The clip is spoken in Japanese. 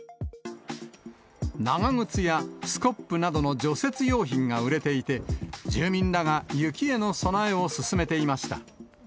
長靴やスコップなどの除雪用品が売れていて、住民らが雪への備えを進めていました。